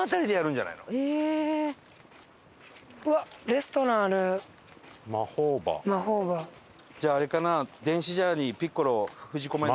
じゃああれかな？